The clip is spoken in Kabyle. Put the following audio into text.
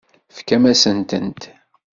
Tefkam-asent-tent.